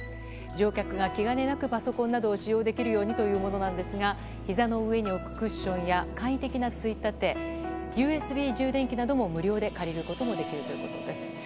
乗客が気兼ねなくパソコンなどを使用できるようにというものでひざの上に置くクッションや簡易的なついたてＵＳＢ充電器なども無料で借りることもできます。